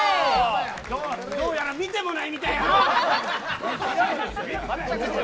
どうやら見てもいないみたい。